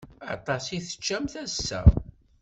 Aṭas i teččamt ass-a.